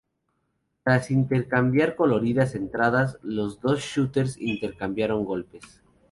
Tras intercambiar coloridas entradas, los dos shooters intercambiaron golpes.